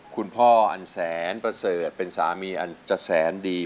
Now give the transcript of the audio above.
คุณพ่ออันแสนประเสริฐเป็นสามีอันจะแสนดี